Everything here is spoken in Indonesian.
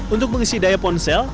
untuk mengisi daya ponsel